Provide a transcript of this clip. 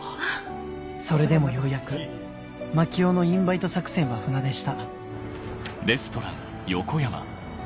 それでもようやく槙尾のインバイト作戦は船出した翔